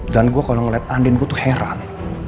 dan gue kalau ngeliat andien gue tuh heran